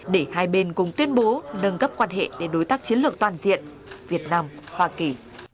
để hai bên cùng tuyên bố nâng cấp quan hệ đến đối tác chiến lược toàn diện việt nam hoa kỳ